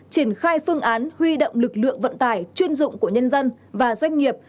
triển khai phương án huy động lực lượng vận tải chuyên dụng của nhân dân và doanh nghiệp